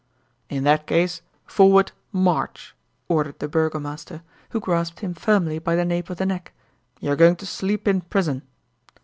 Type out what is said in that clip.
"In that case, forward, march," ordered the burgomaster, who grasped him firmly by the nape of the neck; "you are going to sleep in prison."